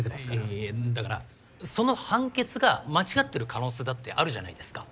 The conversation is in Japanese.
いやいやいやだからその判決が間違ってる可能性だってあるじゃないですか。